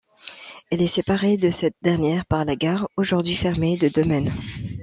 Elle est séparée de cette dernière par la gare aujourd'hui fermée de Domène.